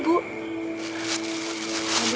bu bangun bu